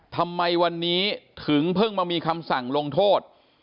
ทำไมวันนี้ถึงเพิ่งมามีคำสั่งลงโทษ